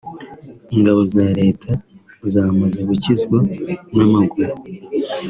ingabo za Leta zamaze gukizwa n’amaguru